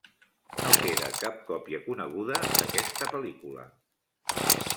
No queda cap còpia coneguda d'aquesta pel·lícula.